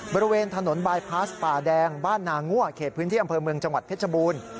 บริเวณถนนบายพลาสป่าแดงบ้านนางั่วเขตพื้นที่อำเภอเมืองจังหวัดเพชรบูรณ์